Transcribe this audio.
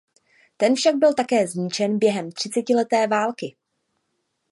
Ten však byl také zničen během třicetileté války.